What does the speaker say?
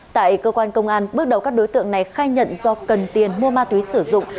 tại cơ quan công an bước đầu các đối tượng này khai nhận do cần tiền mua ma túy sử dụng